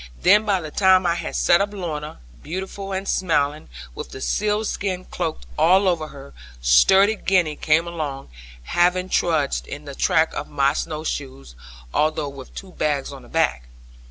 Then by the time I had set up Lorna, beautiful and smiling, with the seal skin cloak all over her, sturdy Gwenny came along, having trudged in the track of my snow shoes, although with two bags on her back.